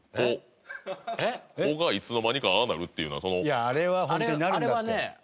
いやあれはホントになるんだって。